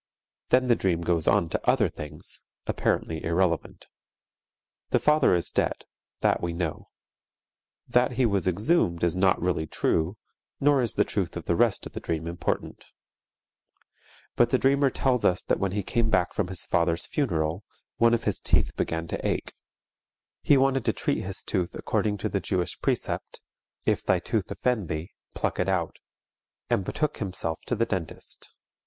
_" Then the dream goes on to other things, apparently irrelevant. The father is dead, that we know. That he was exhumed is not really true, nor is the truth of the rest of the dream important. But the dreamer tells us that when he came back from his father's funeral, one of his teeth began to ache. He wanted to treat this tooth according to the Jewish precept, "If thy tooth offend thee, pluck it out," and betook himself to the dentist.